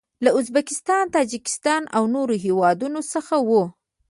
له ازبکستان، تاجکستان او نورو هیوادو څخه و.